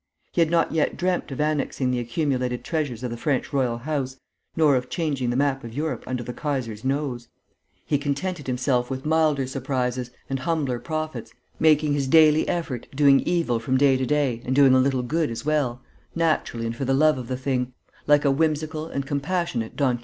He had not yet dreamt of annexing the accumulated treasures of the French Royal House[A] nor of changing the map of Europe under the Kaiser's nose[B]: he contented himself with milder surprises and humbler profits, making his daily effort, doing evil from day to day and doing a little good as well, naturally and for the love of the thing, like a whimsical and compassionate Don Quixote.